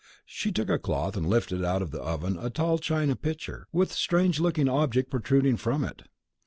She took a cloth, and lifted out of the oven a tall china pitcher with a strange looking object protruding from it.